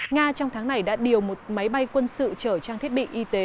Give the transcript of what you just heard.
nga trong tháng này đã điều một máy bay quân sự chở trang thiết bị y tế